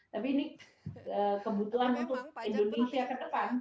tapi ini kebutuhan indonesia ke depan